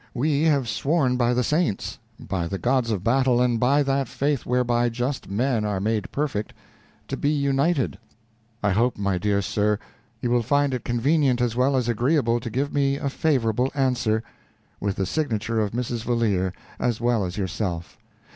We have sworn by the saints by the gods of battle, and by that faith whereby just men are made perfect to be united. I hope, my dear sir, you will find it convenient as well as agreeable to give me a favorable answer, with the signature of Mrs. Valeer, as well as yourself.